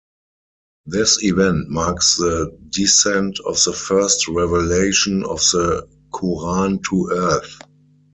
This event marks the descent of the first revelation of the Quran to Earth.